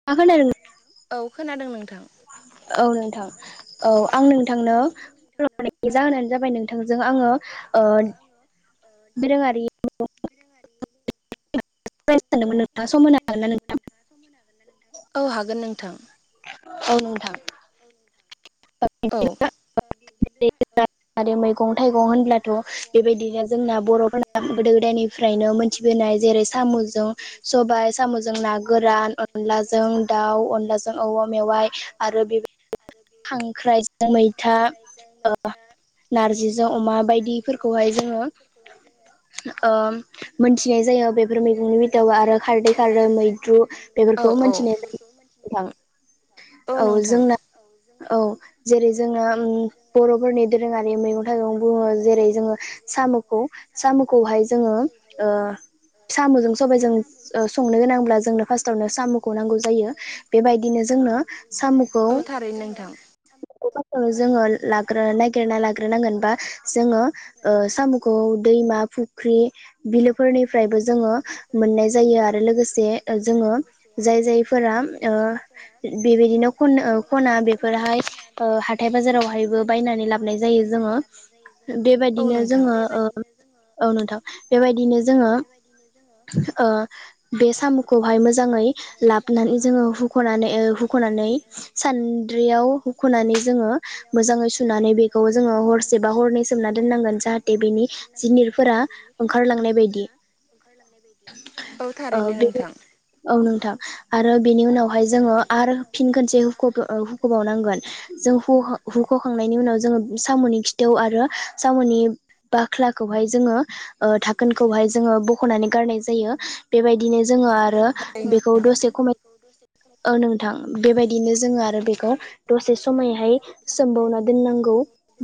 [unintelligible] औ खोनादों नोंथां। औ नोंथां औ आं नोंथांनो कल हरनायनि जोहान जाबाय नोंथांजों आङो ओ ओ दोरोङारि दोरोङारि सावरायनो सानदोंमोन नोंथाङा सम होनो हागोन ना औ हागोन नोंथां। औ नोंथां। औ नोंथां। [unintelligible] आरो मैगं थाइगं होनब्लाथ' बेबायदिनो जोंना बर'फोरना गोदो गोदायनि। फ्रायनो मोनथिबोनाय जेरै साम'जों सबाय साम'जों ना गोरान। अनलाजों दाउ अनलाजों औवा मेवाइ आरो बे। आरो बे। खांख्राइजों मैथा। जों मैथा ओ नारजिजों अमा नारजिजों बायदिफोरखौहाय अमा जोङो बायदिफोरखौहाय जोङो। ओ मोनथिनाय जायो बेफोर मैगंनि [unintelligible] आरो खारदै [unintelligible] मैद्रु। बेफोरखौ मोनथिनाय जायो नोंथां औ जोंना औ जे। रै जोंना बर'फोरनि दोरोङारि मैगं थाइगं बुङो जेरै जोङो साम'खौ। साम'खौहाय जोङो ओ साम'जों सबायजों ओ संनो गोनांब्ला जोंनो फार्स्टआवनो साम'खौ नांगौ जायो बेबायदिनो जोंनो साम'खौ। औ थारैनो नोंथां। [unintelligible] जोङो लाग्रो। गेरना लाग्रोनांगोन बा जोङो ओ साम'खौ दैमा फुख्रि। बिलोफोरनिफ्रायबो जोङो मोननाय जायो आरो लोगोसे ओ जोङो। जाय जायफोरा ओ बेबायदिनो खननो ओ। खनो बेफोरहाय ओ हाथाय बाजारावहायबो बायनानै लाबाय। जायो जोङो औ बेबायदिनो नोंथां जोङो औ नोंथां बेबायदिनो जोङो। ओ बे साम'खौहाय मोजाङै लाबनानै जोङो हुख'नानै ओ हु ख'नानै सान्द्रियाव हुख'नानै जोङो मोजाङै सुनानै बेख खौ जोङो हरसे बा हरनै सोमना दोननांगोन जाहाथे बेनि जिनिरफोरा ओंखारलांनाय बायदि। ओंखारलांनाय बायदि औ ओ थारैनो बे नोंथां। औ नोंथां आरो बेनि उनावहाय जोङो आरो फिन खनसे। हुख' हुख'बावनांगोन जों हु-हुख'खांनायनि उनाव जोङो साम'नि खिथव आरो। साम'नि बाख्लाखौहाय जोङो ओ दाखोनखौहाय जोङो बु। ख'नानै गारनाय जायो बेबायदिनो जोङो आरो थारैनो बेखौ नोंथां दसे खमाय। ओ नोंथां बेबायदिनो जोङो आरो बेखौ दसे समायहाय सोमबावना दोननांगौ।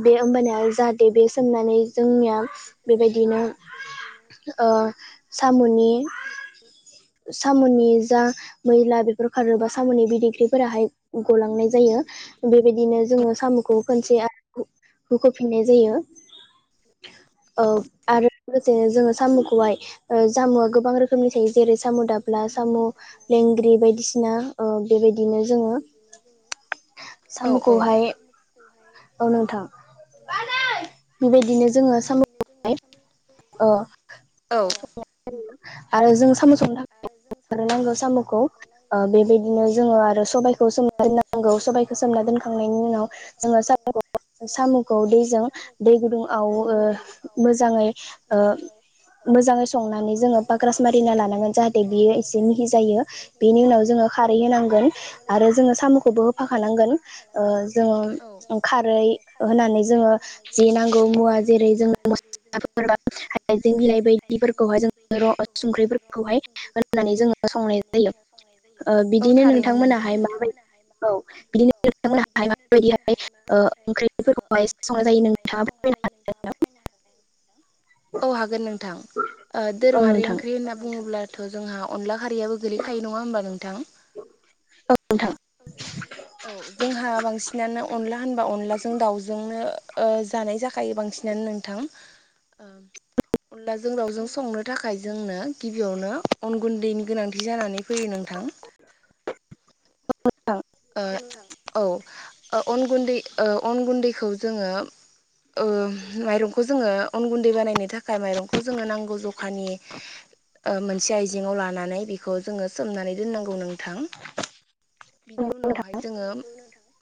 बे होमबाना जाहाथे बे सोमनानै जोंनिया बेबायदिनो। ओ साम'नि साम'नि जा मैला बे फोर खारोबा साम'नि बिदिख्रिफोराहाय गलांनाय जायो। बेबायदिनो जोङो साम'खौ खनसे आरो हुख हुख'फिननाय जायो। ओ आरो लोगोसेनो जोङो सामुखौहाय ओ जामुआ गोबां रो। खोमनि थायो जेरै साम' दाब्ला साम' लेंग्रि बायदिसि। ना ओ बेबायदिनो जोङो औ औ सामखौहाय। औ नोंथां बेबायदिनो। जोङो साम' अ औ आरो जों साम' - नांगौ साम'खौ ओ बेबायदिनो जोङो आरो सबायखौ सोम। नोंगौ सबायखौ सोमना दोनखांनायनि उनाव जोङो - औ साम'खौ दैजों दै गुदुंआव ओ मोजाङै ओ। मोजाङै संनानै जोङो पाग्रास मारिना ला। नांगोन जाहाथे बेयो एसे मिहि जायो बेनि उनाव जोङो खारै होनांगोन आरो जोङो साम'खौबो। फाखानांगोन ओ जोङो। औ खारै होनानै जोङो जे नांगौ मुवा जेरै जों म - हइजें बिलाइ बायदिफोरखौहाय जों संख्रिफोरखौ हाय होननानै जोङो संनाय जायो औ बिदिनो थारैनो नोंथां नोंथांमोनाहाय माबायदि औ बिदिनो नोंथां माबायदिहाय ओ माबायदिहाय ओंख्रिफोरखौहाय संनाय जायो ओंख्रिफोरखौहाय नोंथाङा फोरमायनो संना हागोन जायो नोंथाङा फोरमायनो हाय औ हागोन नोंथां औ दोरोङारि नोंथां ओंख्रि होनना बुङोब्लाथ' जोंहा अनला खारियाबो गोलैखायो नङा होनोमबा नोंथां औ नोंथां औ जोंहा बांसिनानो अनला होनबा अनलाजों दाउजोंनो जानाय जाखायो बांसिन नोंथां ओ अनलाजों दाउजों संनो थाखाय जोंनो गिबियावनो अन गुन्दैनि गोनांथि जानानै फैयो नोंथां। औ नोंथां। ओ औ ओ अन ओ गुन्दै अन गुन्दैखौ जोङो ओ माइरंखौ जोङो अन गुन्दै बानायनो थाखाय माइरंखौ जोङो नांगौ जखानि ओ मोनसे आइजेंआव लानानै बेखौ जोङो सोमनानै दोननांगौ नोंथां। बिनि नोंथां उनावहाय जोङो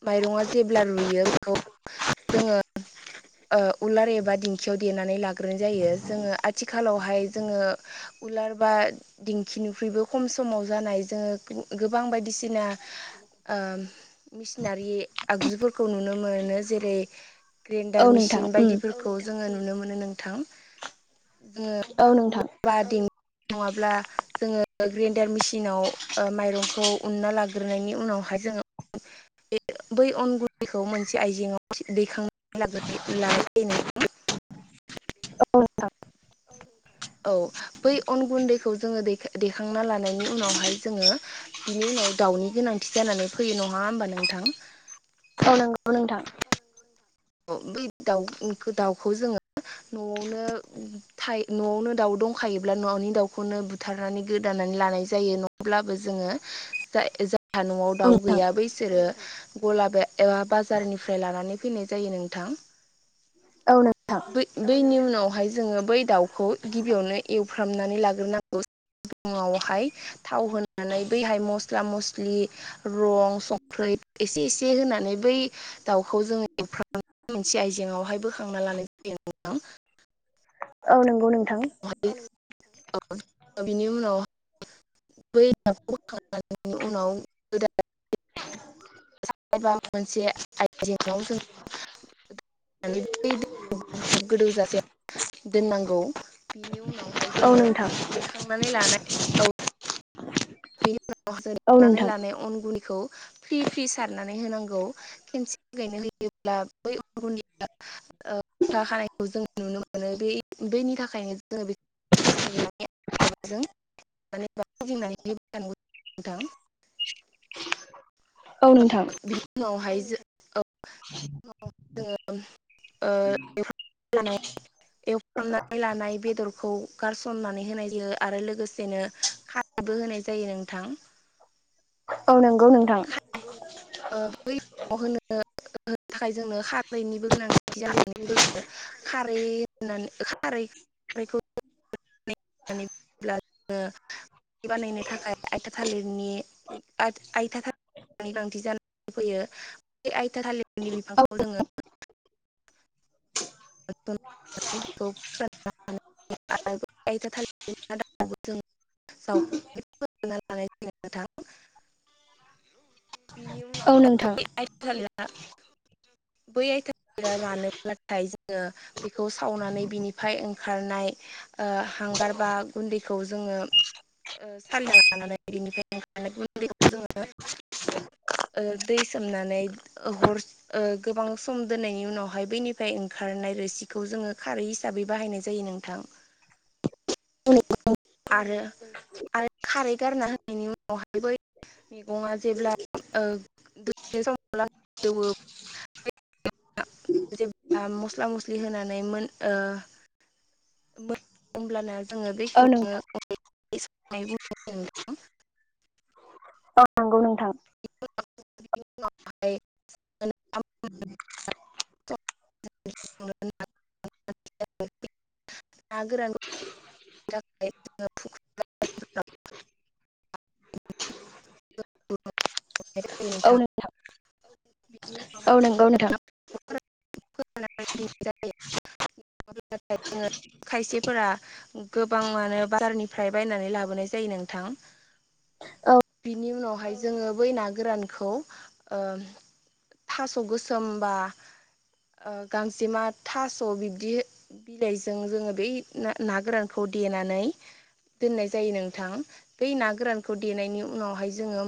माइरङा जेब्ला रुयो बेखौ जोङो ओ उलार एबा दिंखियाव देनानै लाग्रोनाय जायो जोङो आथिखालावहाय जोङो उलार बा दिंखिनिख्रुइबो खम समाव जानाय जोङो गो- गोबां बायदिसिना आम मेसिनारि आगजु फोरखौ नुनो मोनो। जेरै औ ग्रेन्डार नोंथां मेसिन उम बायदिफोरखौ जोङो नुनो मोनो नोंथां। जो औ नोंथां उलार बा दिंखि नङाब्ला जोङो ग्रेन्डार मेसिनाव ओ माइरंखौ उन्ना लाग्रोनायनि उनावहाय जोङो बै अनगुनदैखौ मोनसे आइजेङाव दैखांनाय लागोरनाय बा लानाय जायो औ नोंथां औ औ, बै अन गुन्दैखौ जोङो दै- दैखांना लानायनि उनावहाय जोङो बिनि उनाव दाउनि गोनांथि जानानै फैयो नङा होमबा नोंथां? औ नोंगौ नोंथां। औ बै दाउ- दाउखौ जोङो न'आवनो थायो न'आवनो दाउ दंखायोब्ला न'नि दाउखौनो ब थारनानै गोदानानै लानाय जायो नङब्लाबो जोङो जाय -जाय हा न'आव औ दाउ नोंथां गैया बैसोरो गला एबा बाजारनिफ्राय लानानै फैनाय जायो नोंथां औ नोंथां बै -बैनि उनावहाय जोङो बै दाउखौ गिबियावनो एवफ्रामनानै लाग्रोनांगौ। उनावहाय थाव होनानै बैहाय मस्ला- मस्लि रं संख्रि एसे एसे होनानै बै दाउखौ जोङो एवफ्रामनानै मोनसे आयजेंआवहाय बोखांना लानाय जायो। नोंथां औ नंगौ नोंथां। [unintelligible] बिनि उनाव बै दावखौ बोखांनायनि उनाव गोदान एबा मोनसे आयजेेंआव जों होनानै बै दैखौ गीदौजासे दोननांगौ बिनि उनावहाय औ जोङो नोंथां देखांनानै लानाय औ बेनि उनावहाय औ देखांनानै नोंथां लानाय अन गुन्दैखौ फ्रि फ्रि सारनानै होनांगौ। खेनसेयैनो होयोब्ला ओ बै गुन्दआ ओ खथा खानायखौ जों नुनो मोनो बे बैनि थाखायनो जोङो बे। [unintelligible] औ नोंथां। बिनि उनावहाय जो ओ। [unintelligible] एवफ्रामनाय लानाय बेदरखौ गारसननानै होनाय जायो आरो लोगोसेनो। खारबो होनाय जायो नोंथां। औ नंगौ नोंथां। नोंगौ नोथां ओइ बै। होनो होनो थाखाय जोंनो खारैनिबो गोनांथि जानानै फैयो खारै। [unintelligible] बानायनो थाखाय आयथिया थालिरनि आइथा थालिरनि गोनांथि जानानै फैयो बे आइथा थालिरनि औ बिफांखौ जोङो। [unintelligible] [unintelligible] [unintelligible] बिनि उनाव औ नोंथां आइथा। थालिरा बै आइथालिरा रानोब्लाथाय जोङो। बेखौ सावनानै बिनिफ्राय ओंखारनाय ओ हांगार बा गुन्दैखौ जोङो। ओ सालिना लानानै बेैनिफ्राय ओं गुन्दैखौ जोङो। ओ दै सोमनानै। ओ हर ओ गोबां सम दोननायनि उनावहाय बैनिफ्राय ओं। खारनाय रोसिखौ जोङो खारै हिसाबै बाहायनाय जायो नोंथां। [unintelligible] आरो आरो खारै गारना होनायनि उनावहाय बै। मैगङा जेब्ला ओ [unintelligible] जेब्ला मस्ला मस्लि होनानै मोनो। होमब्लाना जोङो दै औ नोंथां बेखौनोनो [unintelligible] औ नंगौ नोंथां। [unintelligible] [unintelligible] [unintelligible] ना गोरान [unintelligible] नोंथां बिनि उनावहाय। औ नोंगौ नोंथां। [unintelligible] खायसेफोरा गोबाङानो बाजारनिफ्राय बायनानै लाबोनाय जायो नोंथां। औ बिनि उनावहाय जोङो बै ना गोरानखौ ओम। थास' गोसोमबा ओ गांसेमा थास' बिब्दि। बिलाइजों जोङो बै ना ना गोरानखौ देनानै। दोननाय जायो नोंथां बै ना गोरानखौ देनायनि उनावहाय जोङो।